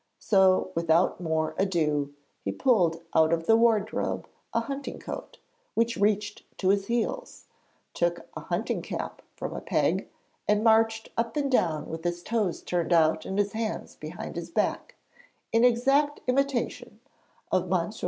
So without more ado he pulled out of the wardrobe a hunting coat, which reached to his heels, took a hunting cap from a peg, and marched up and down with his toes turned out and his hands behind his back, in exact imitation of M.